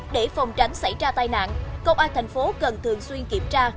để phòng tránh xảy ra tai nạn công an thành phố cần thường xuyên kiểm tra